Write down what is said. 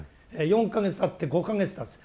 ４か月たって５か月たつ。